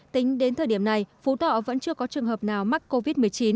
tính đến thời điểm này phú thọ vẫn chưa có trường hợp nào mắc covid một mươi chín